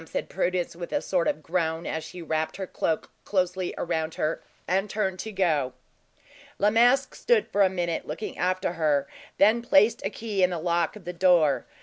said Prudence, with a sort of groan, as she wrapped her cloak closely around her, and turned to go. La Masque stood for a moment looking after her, and then placed a key in the lock of the door.